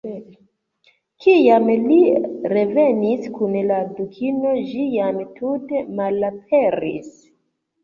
Kiam li revenis kun la Dukino, ĝi jam tute malaperis.